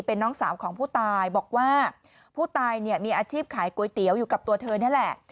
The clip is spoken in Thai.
เป็นน้องสาวของผู้ตายบอกว่าผู้ตายเนี่ยมีอาชีพขายก๋วยเตี๋ยวอยู่กับตัวเธอนี่แหละ